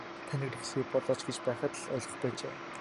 Таныг эхнэрээ болооч гэж байхад л ойлгох байжээ.